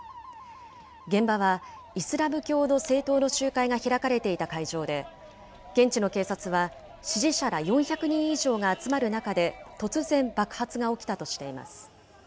現場は、イスラム教の政党の集会が開かれていた会場で、現地の警察は支持者ら４００人以上が集まる中で、突然、爆発が起きたとしています。